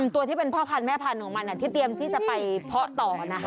ตัวที่เป็นพ่อพันธุ์แม่พันธุ์ของมันที่เตรียมที่จะไปเพาะต่อนะคะ